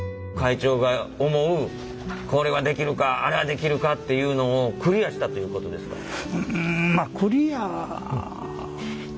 会長が思うこれはできるかあれはできるかっていうのをクリアしたということですか？